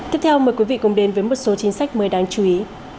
tiếp theo mời quý vị cùng đến với một số chính sách mới đáng chú ý